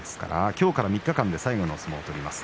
今日から３日間で最後の相撲を取ります。